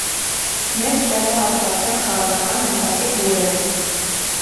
Մեծ տեղ է հատկացրել քաղաքական ընթացիկ լուրերին։